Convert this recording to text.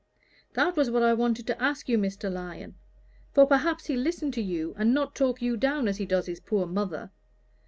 "That was what I wanted to ask you, Mr. Lyon. For perhaps he'll listen to you, and not talk you down as he does his poor mother.